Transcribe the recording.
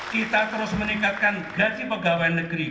kita terus meningkatkan gaji pegawai negeri